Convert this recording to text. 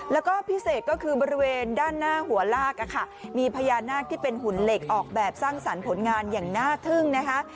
แล้วก็พิเศษก็คือบริเวณด้านหน้าหัวลากมีพญานาคที่เป็นหุ่นเหล็กออกแบบสร้างสรรค์ผลงานอย่างน่าทึ่งนะคะ